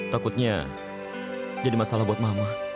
takutnya jadi masalah buat mama